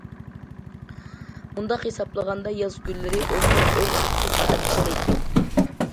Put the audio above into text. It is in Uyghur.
مۇنداق ھېسابلىغاندا، ياز كۈنلىرى ئون بىر- ئون ئىككى سائەت ئىشلەيتتۇق.